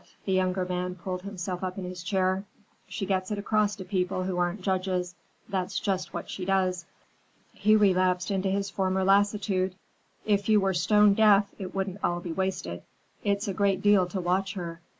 The younger man pulled himself up in his chair. "She gets it across to people who aren't judges. That's just what she does." He relapsed into his former lassitude. "If you were stone deaf, it wouldn't all be wasted. It's a great deal to watch her.